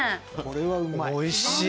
これはうまい。